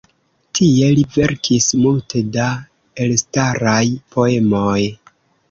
Tie li verkis multe da elstaraj poemoj.